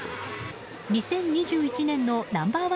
２０２１年のナンバー１